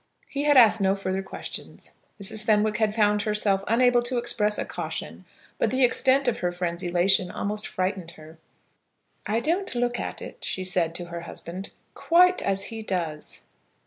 He had asked no further questions; Mrs. Fenwick had found herself unable to express a caution; but the extent of her friend's elation almost frightened her. "I don't look at it," she said to her husband, "quite as he does."